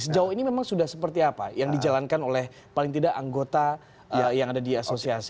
sejauh ini memang sudah seperti apa yang dijalankan oleh paling tidak anggota yang ada di asosiasi